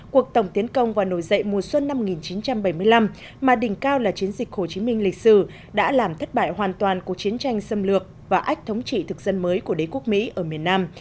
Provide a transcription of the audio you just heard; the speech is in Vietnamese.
cuộc tổng tiến công và nổi dậy mùa xuân năm một nghìn chín trăm bảy mươi năm mà đỉnh cao là chiến dịch hồ chí minh lịch sử đã làm thất bại hoàn toàn cuộc chiến tranh xâm lược và ách thống trị thực dân mới của đế quốc mỹ ở miền nam